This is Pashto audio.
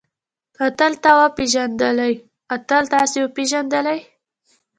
اتل تۀ وپېژندلې؟ اتل تاسې وپېژندلئ؟